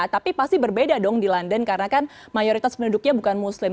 tapi pasti berbeda dong di london karena kan mayoritas penduduknya bukan muslim